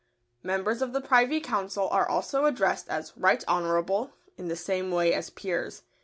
] Members of the Privy Council are also addressed as "Right Honourable," in the same way as Peers.